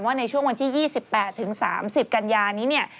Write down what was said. ว่าในช่วงวันที่๒๘๓๐กัลยานี้